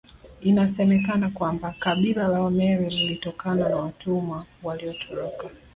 Inasemekana kwamba kabila la Wameru lilitokana na watumwa waliotoroka